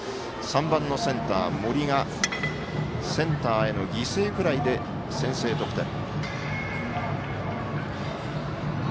３番のセンター、森がセンターへの犠牲フライで先制得点。